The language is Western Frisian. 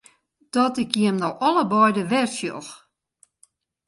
Dat ik jim no allebeide wer sjoch!